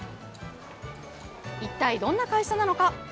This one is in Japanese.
一体どんな会社なのか。